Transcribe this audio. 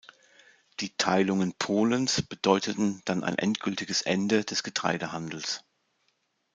Die Teilungen Polens bedeuteten dann ein endgültiges Ende des Getreidehandels.